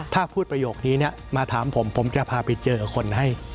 ถ้าพูดประโยคนี้มาถามผมผมจะพาไปเจอคนให้